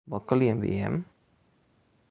Vol que li enviem?